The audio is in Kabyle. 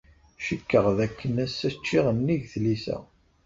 Cikkeɣ dakken ass-a ččiɣ nnig tlisa.